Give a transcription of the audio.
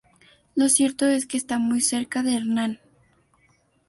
Lo cierto es que está muy cerca de Hernán.